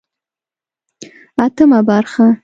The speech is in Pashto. اتمه برخه